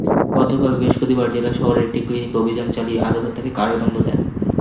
গতকাল বৃহস্পতিবার জেলা শহরের একটি ক্লিনিকে অভিযান চালিয়ে আদালত তাঁকে কারাদণ্ড দেন।